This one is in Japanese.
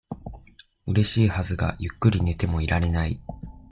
嬉しいはずが、ゆっくり寝てもいられない。